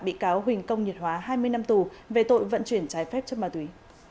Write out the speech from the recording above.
bị cáo huỳnh công nhiệt hóa hai mươi năm tù về tội vận chuyển trái phép chất ma túy